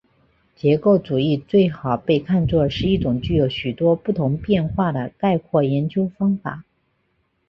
结构主义最好被看作是一种具有许多不同变化的概括研究方法。